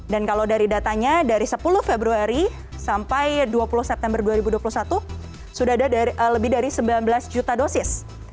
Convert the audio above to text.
dan kalau dari datanya dari sepuluh februari sampai dua puluh september dua ribu dua puluh satu sudah ada lebih dari sembilan belas juta dosis